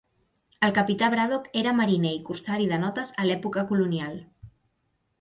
El capità Braddock era mariner i corsari de notes a l'època colonial.